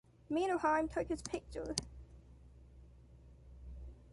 Mannerheim took his picture.